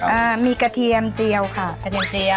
อ่ามีกระเทียมเจียวค่ะกระเทียมเจียว